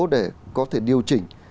để có thể điều chỉnh